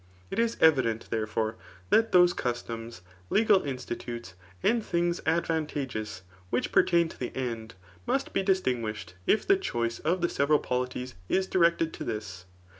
It is evident, therefore, diat those customs, legal c^Ai^. VIII. iemt!r#RiC4 4B Institutes^ and things advantageous Mrhich pertain to the end, must be distinguished, if the choice [of the several polities] is directed to this.